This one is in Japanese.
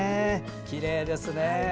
きれいですね。